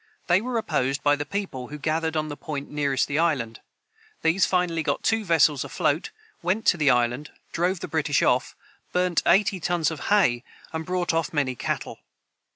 They were opposed by the people who gathered on the point nearest the island. These finally got two vessels afloat, went to the island, drove the British off, burnt eighty tons of hay, and brought off many cattle.